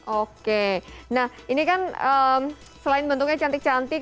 oke nah ini kan selain bentuknya cantik cantik